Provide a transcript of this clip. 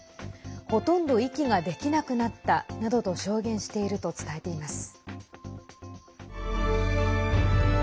ほとんど息ができなくなったなどと証言していると伝えています。